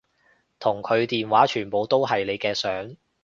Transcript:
同佢電話全部都係你嘅相